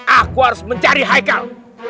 aku harus mencari haikal